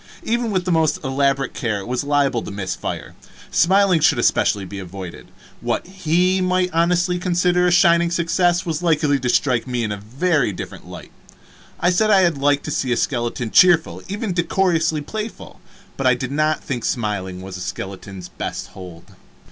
Even with the most elaborate care it was liable to miss fire. Smiling should especially be avoided. What he might honestly consider a shining success was likely to strike me in a very different light. I said I liked to see a skeleton cheerful, even decorously playful, but I did not think smiling was a skeleton's best hold.